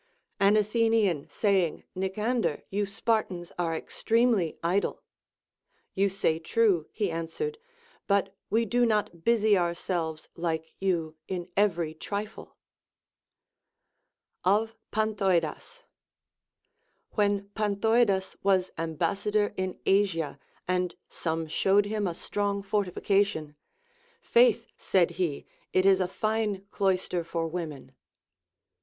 An Athe nian saying, Nicander, you Spartans are extremely idle ; You say true, he answered, but we do not busy ourselves like you in every trifle. Of Panthoidas. When Panthoidas was ambassador in Asia and some showed him a strong fortification. Faith, said he, it is a fine cloister for women.